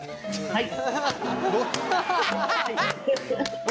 はい。